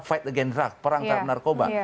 fight agen drug perang terhadap narkoba